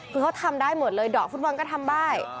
คือเขาทำได้หมดเลยดอกฟุตบอลก็ทำได้